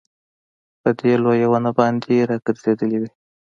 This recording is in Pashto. په دې لويه ونه باندي راګرځېدلې وې